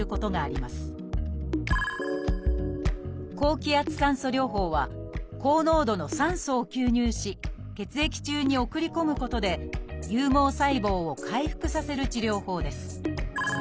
高気圧酸素療法は高濃度の酸素を吸入し血液中に送り込むことで有毛細胞を回復させる治療法です。